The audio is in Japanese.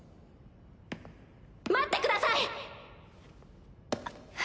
待ってください！